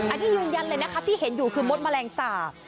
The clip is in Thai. อันนี้ยืนยันเลยนะคะที่เห็นอยู่คือมดแมลงสาป